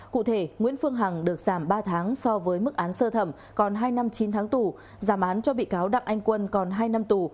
cụ thể nguyễn phương hằng được giảm ba tháng so với mức án sơ thẩm còn hai năm chín tháng tù giảm án cho bị cáo đặng anh quân còn hai năm tù